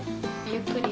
ゆっくり。